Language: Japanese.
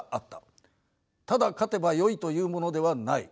ただ勝てばよいというものではない。